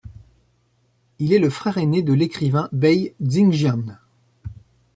Il est le frère aîné de l'écrivain Bai Xingjian.